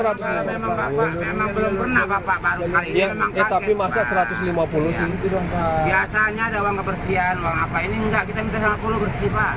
biasanya ada uang kebersihan uang apa ini enggak kita bisa lima puluh bersih pak